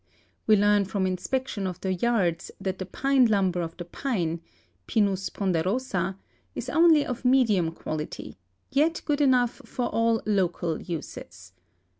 We learn from inspection of the yards that the pine lumber of the pine {Pinus ponderosa) is only of medium quality, yet good enough for all local uses.